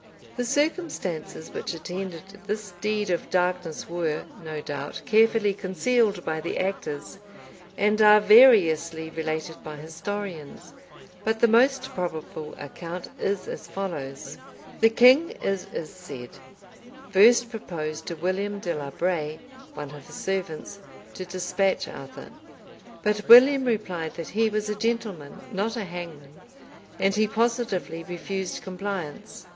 The circumstances which attended this deed of darkness were, no doubt, carefully concealed by the actors, and are variously related by historians; but the most probable account is as follows: The king, it is said, first proposed to William de la Braye, one of his servants, to despatch Arthur; but William replied that he was a gentleman, not a hangman; and he positively refused compliance.